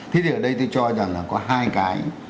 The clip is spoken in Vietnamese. thế thì ở đây tôi cho rằng là có hai cái